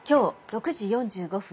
６時４５分